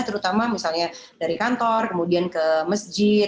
terutama misalnya dari kantor kemudian ke masjid